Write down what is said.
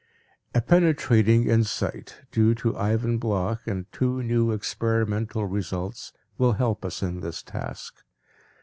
A penetrating insight due to Ivan Bloch and two new experimental results will help us in this task.